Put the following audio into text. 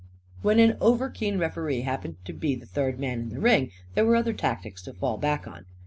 When an overkeen referee happened to be the third man in the ring there were other tactics to fall back on.